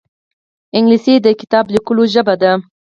انګلیسي د کتاب لیکلو ژبه ده